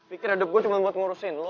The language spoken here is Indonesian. pikir adep gue cuma buat ngurusin lo apa